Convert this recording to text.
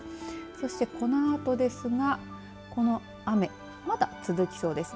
そして、このあとですがこの雨、まだ続きそうです。